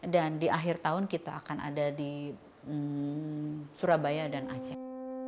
dan di akhir tahun kita akan ada di surabaya dan aceh